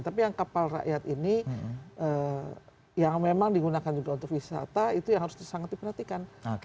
tapi yang kapal rakyat ini yang memang digunakan juga untuk wisata itu yang harus sangat diperhatikan